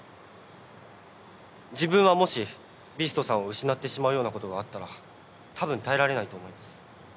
自分はもしビーストさんを失ってしまうようなことがあったらたぶん耐えられないと思います。